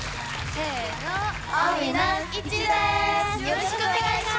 よろしくお願いします。